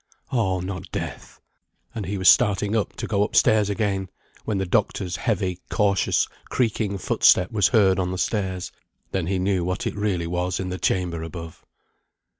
Oh, not death! And he was starting up to go up stairs again, when the doctor's heavy cautious creaking footstep was heard on the stairs. Then he knew what it really was in the chamber above.